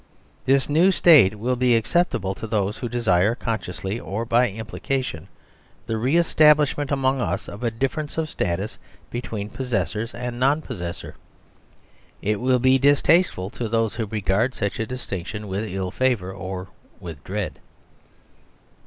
This new state will be acceptable to those who desire consciously or by implication the re establish ment among us of a difference of status between pos sessor and non possessor : it will be distasteful to those who regard such a distinction with ill favour or with dread.